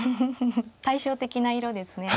対照的な色ですね。